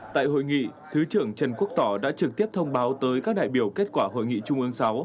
tại hội nghị thứ trưởng trần quốc tỏ đã trực tiếp thông báo tới các đại biểu kết quả hội nghị trung ương sáu